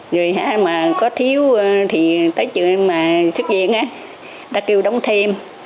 rồi có thiếu thì tới trường mà xuất viện ta kêu đóng thêm